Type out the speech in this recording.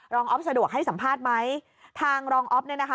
อ๊อฟสะดวกให้สัมภาษณ์ไหมทางรองอ๊อฟเนี่ยนะคะ